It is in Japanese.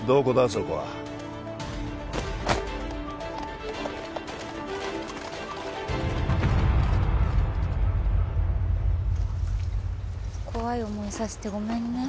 そこは怖い思いさせてごめんね